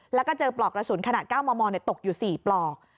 แล้วก็เจอปลอกกระสุนขนาด๙มมตกอยู่๔ปลอก